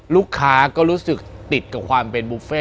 ลูกค้าก็รู้สึกติดกับความเป็นบุฟเฟ่